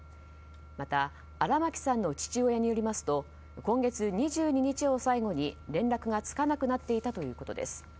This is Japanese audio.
また荒牧さんの父親によりますと今月２２日を最後に連絡がつかなくなっていたということです。